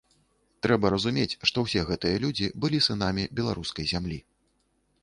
Трэба разумець, што ўсе гэтыя людзі былі сынамі беларускай зямлі.